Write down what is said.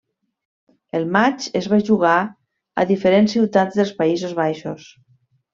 El matx es va jugar a diferents ciutats dels Països Baixos.